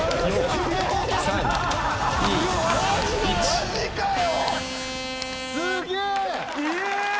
マジかよ！